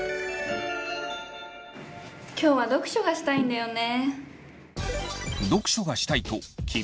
今日は読書がしたいんだよね。